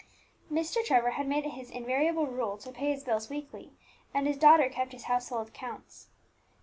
Mr. Trevor had made it his invariable rule to pay his bills weekly, and his daughter kept his household accounts.